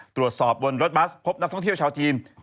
ตรวจสอบบนรถบัสพบนักท่องเที่ยวชาวจีน